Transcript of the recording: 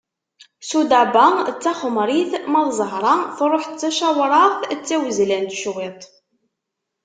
Sudaba d taxemrit ma d zahra truḥ d tacawraɣt d tawezlant cwiṭ.